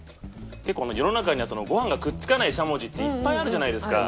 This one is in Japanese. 世の中にはご飯がくっつかないしゃもじっていっぱいあるじゃないですか。